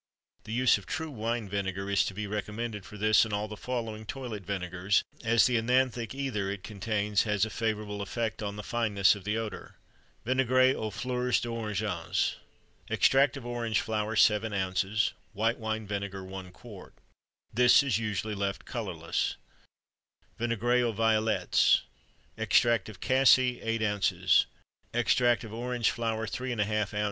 The use of true wine vinegar is to be recommended for this and all the following toilet vinegars, as the œnanthic ether it contains has a favorable effect on the fineness of the odor. VINAIGRE AUX FLEURS D'ORANGES. Extract of orange flower 7 oz. White wine vinegar 1 qt. This is usually left colorless. VINAIGRE AUX VIOLETTES. Extract of cassie 8 oz. Extract of orange flower 3½ oz.